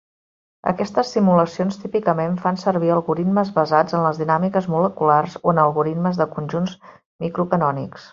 Aquestes simulacions típicament fan servir algoritmes basats en les dinàmiques moleculars o en algoritmes de conjunts micro-canònics.